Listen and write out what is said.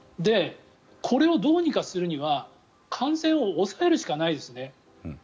これをどうにかするには感染を抑えるしかないですね。